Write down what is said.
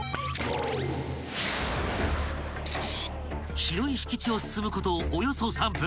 ［広い敷地を進むことおよそ３分］